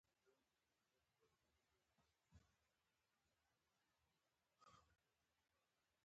دا عمل د جزا قانون له مخې منع دی.